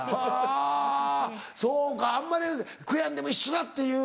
はぁそうかあんまり悔やんでも一緒だっていう。